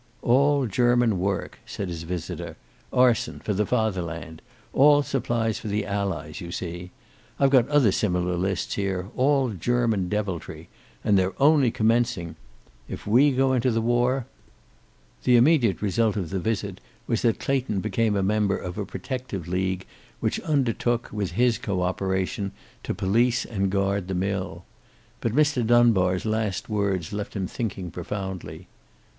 "All German work," said his visitor. "Arson, for the Fatherland. All supplies for the Allies, you see. I've got other similar lists, here, all German deviltry. And they're only commencing. If we go into the war " The immediate result of the visit was that Clayton became a member of a protective league which undertook, with his cooperation, to police and guard the mill. But Mr. Dunbar's last words left him thinking profoundly.